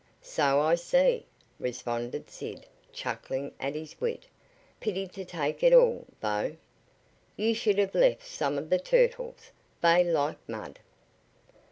"So I see," responded Sid, chuckling at his wit. "Pity to take it all, though. You should have left some for the turtles. They like mud."